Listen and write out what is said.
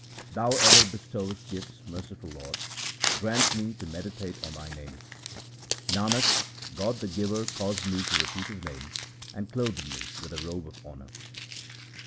' Thou ever bestowest gifts, merciful Lord, grant me to meditate on Thy name.' Nanak, God the Giver caused me to repeat His name and clothed me with a robe of honour.